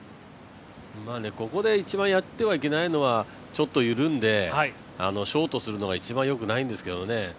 ここで一番やってはいけないのは、ちょっと緩んでショートするのが一番よくないんですけどね。